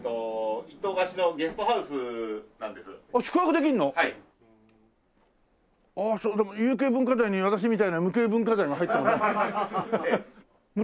でも有形文化財に私みたいな無形文化財が入ってもいいの？